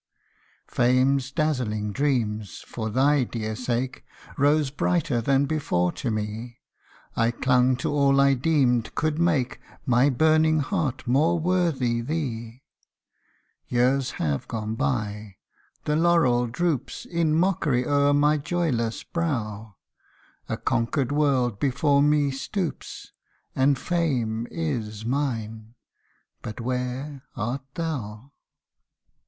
Fame's dazzling dreams, for thy dear sake, Rose brighter than before to me ; I clung to all I deemed could make My burning heart more worthy thee. Years have gone by the laurel droops In mockery o^er my joyless brow : A conquered world before me stoops, And Fame is mine but where art thou